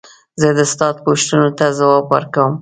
زه د استاد پوښتنو ته ځواب ورکوم.